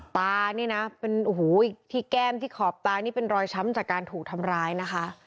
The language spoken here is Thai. ตานี่นะเป็นโอ้โหที่แก้มที่ขอบตานี่เป็นรอยช้ำจากการถูกทำร้ายนะคะ